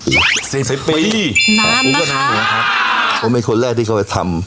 ๑๐ปีนานนะคะผมเป็นคนแรกที่เขาไปทำ